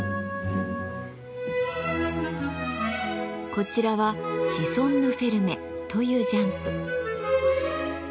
こちらはシソンヌ・フェルメというジャンプ。